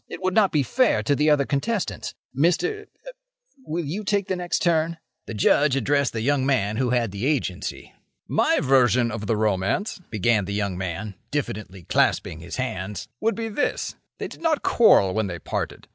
It would not be fair to the other contestants. Mr.—er—will you take the next turn?" The Judge addressed the young man who had the Agency. "My version of the romance," began the young man, diffidently clasping his hands, "would be this: They did not quarrel when they parted. Mr.